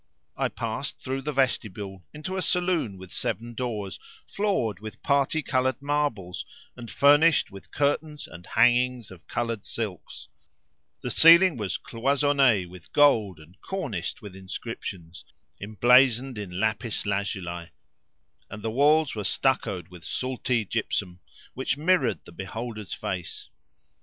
I passed through the vestibule into a saloon with seven doors, floored with parti coloured marbles and furnished with curtains and hangings of coloured silks: the ceiling was cloisonné with gold and corniced with inscriptions[FN#531] emblazoned in lapis lazuli; and the walls were stuccoed with Sultání gypsum[FN#532] which mirrored the beholder's face.